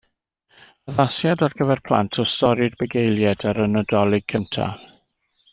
Addasiad ar gyfer plant o stori'r bugeiliaid ar y Nadolig cyntaf.